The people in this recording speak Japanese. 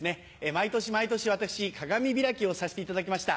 毎年毎年私鏡開きをさせていただきました。